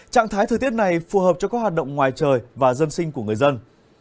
trạng thái thời tiết này phù hợp cho các hoạt động ngoài trời và dân sinh của người dân